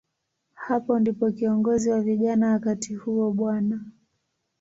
Hapo ndipo kiongozi wa vijana wakati huo, Bw.